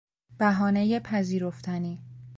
بهانهی پذیرفتنی